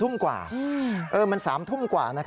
มัน๓ทุ่มกว่า